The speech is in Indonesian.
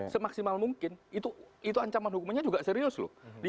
semaksimal mungkin itu ancaman hukumnya juga serius loh